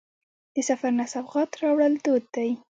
د سفر نه سوغات راوړل دود دی.